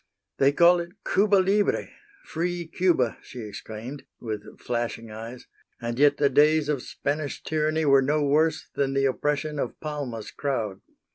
"They call it Cuba libre, free Cuba!" she exclaimed, with flashing eyes, "and yet the days of Spanish tyranny were no worse than the oppression of Palma's crowd.